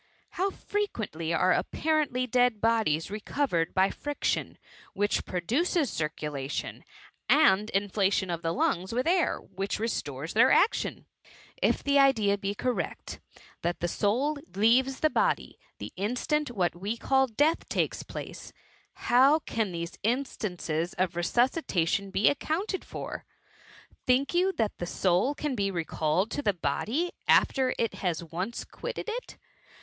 How frequently are apparently dead bodies recovered by friction, which produces circulation ; and inflation of the lungs with air, which restores their action. If the idea be correct, that the soul leaves the body the instant what we call death takes place, S8 THB HUMKT. how can these uiBtaiice» of resuscitation be aoeounted for ^ Thin): you that the soul can be recalkd to the body after it has once quittec) it